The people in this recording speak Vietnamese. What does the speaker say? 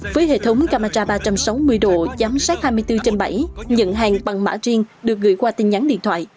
với hệ thống camera ba trăm sáu mươi độ giám sát hai mươi bốn trên bảy nhận hàng bằng mã riêng được gửi qua tin nhắn điện thoại